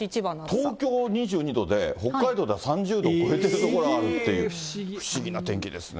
だから東京は２２度で、北海道では３０度超えてる所があるっていう、不思議な天気ですね。